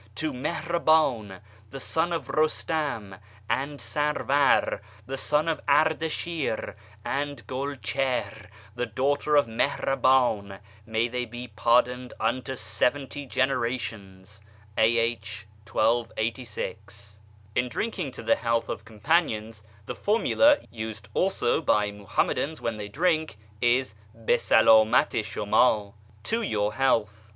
' to Mihrabdn [the son] of Rustam, and Sarvar [the son] of Ardashir, anei Gulchihr [the daughter] of Mihraban : may they be par doned unto seventy generations! a.h. 1286." lu drinking to the health of companions the formula (used also by Muhammadans when they drink) is " JBi saldmati i shumd !"(" To your health